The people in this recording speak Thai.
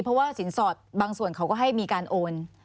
เพราะว่าสินสอดบางส่วนเขาก็ให้มีการโอน